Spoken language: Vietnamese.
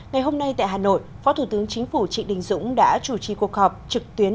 ngày hôm nay tại hà nội phó thủ tướng chính phủ trị đình dũng đã chủ trì cuộc họp trực tuyến